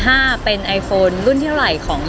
ไอโฟน๕เป็นไอโฟนรุ่นที่เท่าไหร่ของไอโฟน